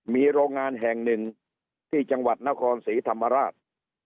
มีโรงงานแห่งหนึ่งที่จังหวัดนครศรีธรรมราช